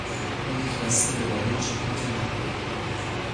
او یک وصله به آرنج کت من دوخت.